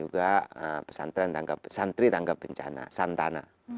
pesantren juga pesantren tangga santri tangga bencana santana